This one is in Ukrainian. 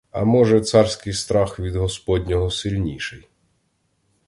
А може, царський страх від господнього сильніший.